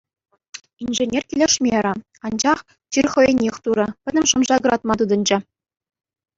Инженер килӗшмерӗ, анчах чир хӑйӗннех турӗ, пӗтӗм шӑм-шак ыратма тытӑнчӗ.